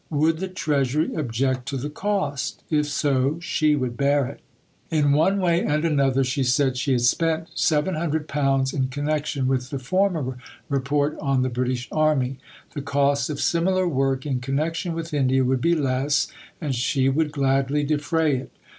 Would the Treasury object to the cost? If so, she would bear it. In one way and another, she said, she had spent £700 in connection with the former Report on the British Army; the cost of similar work in connection with India would be less, and she would gladly defray it.